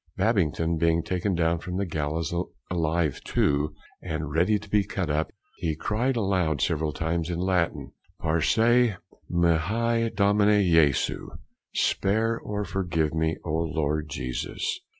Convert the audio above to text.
Babington being taken down from the gallows alive too, and ready to be cut up, he cried aloud several times in Latin. Parce mihi Domine Jesu, spare or forgive me O Lord Jesus!